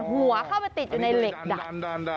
หัวเข้าไปติดอยู่ในเหล็กดัด